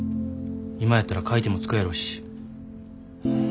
今やったら買い手もつくやろうし。